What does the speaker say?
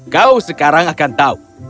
kau sekarang akan tahu